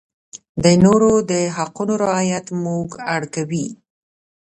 د نورو د حقوقو رعایت موږ اړ کوي.